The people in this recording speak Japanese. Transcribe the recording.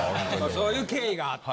そういう経緯があった。